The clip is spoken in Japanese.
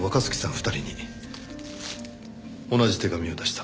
２人に同じ手紙を出した。